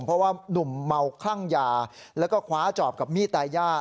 เพราะว่านุ่มเมาคลั่งยาแล้วก็คว้าจอบกับมีดดาย่า